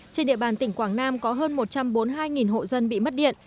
trên địa bàn tỉnh quảng nam có hơn một trăm bốn mươi hai hộ dân bị mất điện